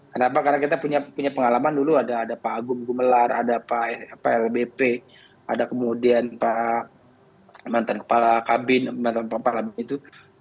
kenapa karena kita punya pengalaman dulu ada pak agung gumelar ada pak lbp ada kemudian pak mantan kepala kabin mantan kepala itu